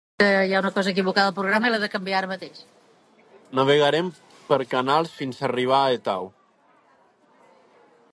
Navegarem per canals fins arribar a Etau